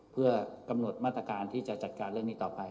เพื่อกำหนดมาตรการที่จะจัดการเรื่องนี้ต่อไป